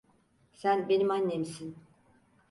Sen benim annemsin.